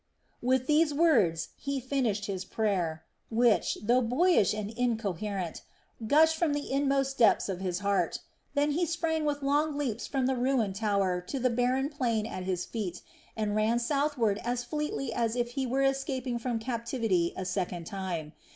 With these words he finished his prayer, which, though boyish and incoherent, gushed from the inmost depths of his heart. Then he sprang with long leaps from the ruined tower to the barren plain at his feet, and ran southward as fleetly as if he were escaping from captivity a second time.